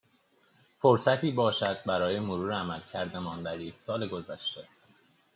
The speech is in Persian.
فرصتی باشد برای مرور عملکردمان در یک سال گذشته